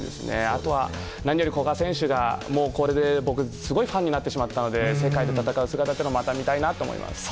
あとは何より古賀選手がこれで僕、すごいファンになってしまったので世界で戦う姿をまた見たいなと思います。